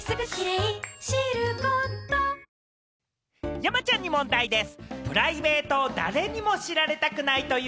山ちゃんに問題です。